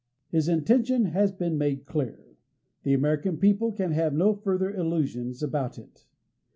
His intention has been made clear. The American people can have no further illusions about it.